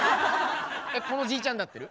このじいちゃんで合ってる？